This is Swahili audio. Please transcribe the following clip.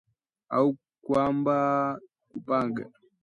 Au kwambaa kupaga,